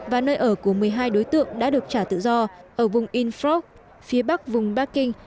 và nơi ở của một mươi hai đối tượng đã được trả tự do ở vùng inflog phía bắc vùng bắc kinh